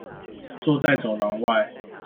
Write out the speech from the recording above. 坐在走廊外